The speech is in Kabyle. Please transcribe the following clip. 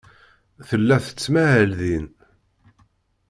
Tella tettmahal din.